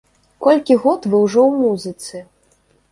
Колькі год вы ўжо ў музыцы?